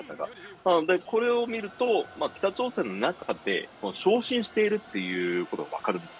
なので、これを見ると、北朝鮮の中で、昇進しているということが分かるんです。